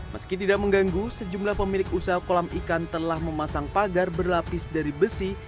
meski tidak mengganggu sejumlah pemilik usaha kolam ikan telah memasang pagar berlapis dari besi